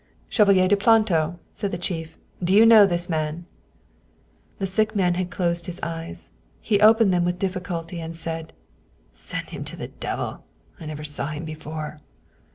" Chevalier de Planto," said the chief, " do you know this man ?" The sick man had closed his eyes. He opened them with difficulty and said, " Send him to the devil ! I never saw him before."